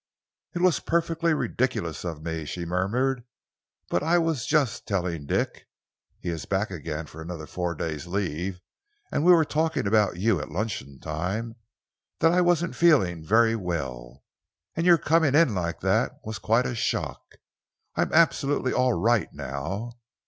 "It was perfectly ridiculous of me," she murmured, "but I was just telling Dick he is back again for another four days' leave and we were talking about you at luncheon time that I wasn't feeling very well, and your coming in like that was quite a shock. I am absolutely all right now.